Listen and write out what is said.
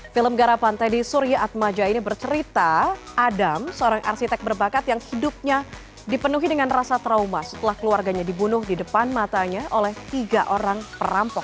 film garapan teddy surya atmaja ini bercerita adam seorang arsitek berbakat yang hidupnya dipenuhi dengan rasa trauma setelah keluarganya dibunuh di depan matanya oleh tiga orang perampok